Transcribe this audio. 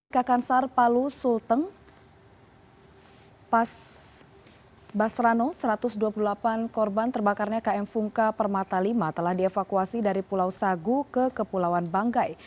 kakansar palu sulteng basrano satu ratus dua puluh delapan korban terbakarnya km fungka permata v telah dievakuasi dari pulau sagu ke kepulauan banggai